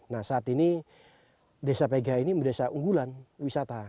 nah saat ini desa pegah ini berdesa unggulan wisata